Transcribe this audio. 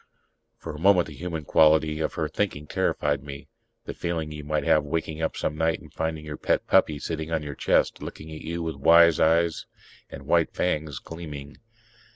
For a moment the human quality of her thinking terrified me ... the feeling you might have waking up some night and finding your pet puppy sitting on your chest, looking at you with wise eyes and white fangs gleaming